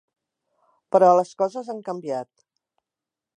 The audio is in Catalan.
Però les coses han canviat.